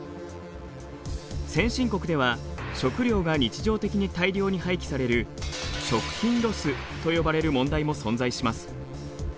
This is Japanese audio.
先進国では食料が日常的に大量に廃棄される食品ロスと呼ばれる問題も存在します。